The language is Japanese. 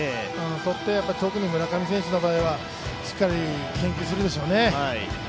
とって、特に村上選手の場合は、しっかり研究するでしょうね。